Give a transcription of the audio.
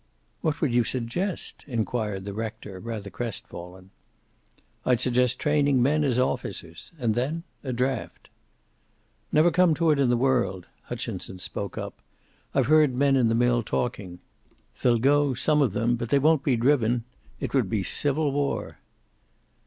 "What would you suggest?" inquired the rector, rather crestfallen. "I'd suggest training men as officers. And then a draft." "Never come to it in the world." Hutchinson spoke up. "I've heard men in the mill talking. They'll go, some of them, but they won't be driven. It would be civil war."